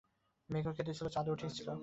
মেঘও করিয়াছে, চাঁদও উঠিয়াছে।